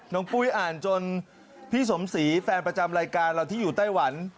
ปุ้ยอ่านจนพี่สมศรีแฟนประจำรายการเราที่อยู่ไต้หวัน